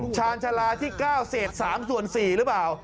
ชาญชาลาที่๙เศษ๓ส่วน๔หรือเปล่า